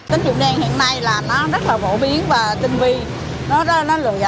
tính dụng đen hiện nay rất là bổ biến và tinh vi nó lừa gạt rất là nhiều người